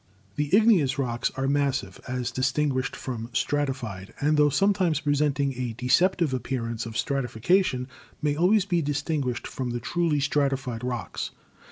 The igneous rocks are massive, as distinguished from stratified, and tho sometimes presenting a deceptive ap pearance of stratification, may always be distinguished from the truly stratified rocks.